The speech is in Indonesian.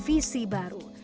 dan dengan visi baru